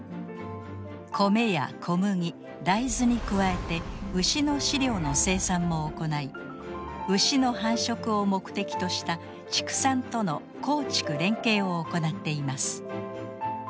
コメや小麦大豆に加えて牛の飼料の生産も行い牛の繁殖を目的とした畜産との耕畜連携を行っています。